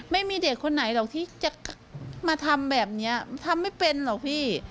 ไม่มีเด็กคนไหนหรอกที่จะมาทำแบบนี้ทำไม่เป็นหรอกพี่